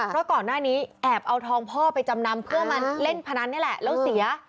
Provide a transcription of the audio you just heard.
เพราะก่อนหน้านี้แอบเอาทองพ่อไปจำนำเพื่อมาเล่นพนันนี่แหละแล้วเสีย